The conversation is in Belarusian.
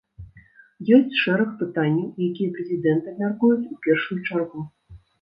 Ёсць шэраг пытанняў, якія прэзідэнты абмяркуюць у першую чаргу.